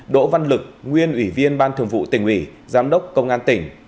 đỗ văn lực nguyên ủy viên ban thường vụ tỉnh ủy giám đốc công an tỉnh